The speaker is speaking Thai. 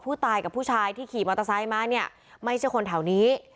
ผู้ตายกับผู้ชายที่ขี่มอเตอร์ไซค์มาเนี่ยไม่ใช่คนแถวนี้